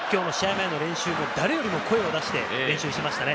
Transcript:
前の練習も、誰よりも声を出して練習していましたね。